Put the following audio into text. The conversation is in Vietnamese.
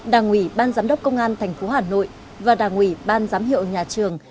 đảng ủy ban giám đốc công an tp hà nội và đảng ủy ban giám hiệu nhà trường